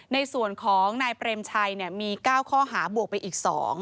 ในส่วนของนายเปรมชัยมี๙ข้อหาบวกไปอีก๒